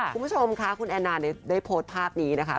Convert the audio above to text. คุณผู้ชมค่ะคุณแอนนาได้โพสต์ภาพนี้นะคะ